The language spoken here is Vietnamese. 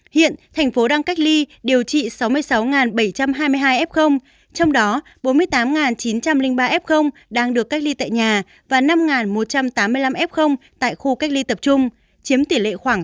hiện thành phố đang cách ly điều trị sáu mươi sáu bảy trăm hai mươi hai f trong đó bốn mươi tám chín trăm linh ba f đang được cách ly tại nhà và năm một trăm tám mươi năm f tại khu cách ly tập trung chiếm tỷ lệ khoảng ba mươi